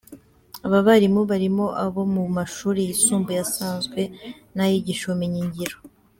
Aba barimu barimo abo mu mashuri yisumbuye asanzwe n’ayigisha ubumenyi ngiro.